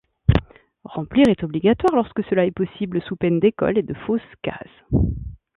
Remplir est obligatoire lorsque cela est possible sous peine d’école et de fausse case.